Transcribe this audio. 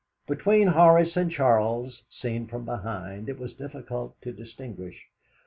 Between Horace and Charles, seen from behind, it was difficult to distinguish.